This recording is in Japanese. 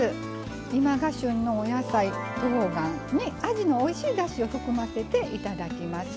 今が旬のお野菜とうがんにあじのおいしいだしを含ませていただきます。